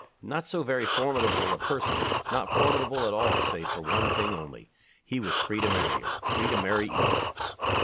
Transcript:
Not so very formidable a person, not formidable at all save for one thing only he was free to marry her, free to marry Edith.